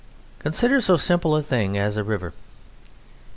Consider so simple a thing as a river.